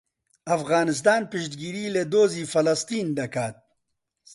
ئەفغانستان پشتگیری لە دۆزی فەڵەستین دەکات.